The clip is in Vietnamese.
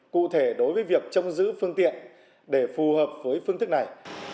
cụ thể đối với việc trông giữ phương tiện để phù hợp với phương thức này